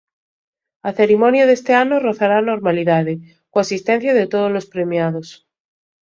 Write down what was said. A cerimonia deste ano rozará a normalidade, coa asistencia de todos os premiados.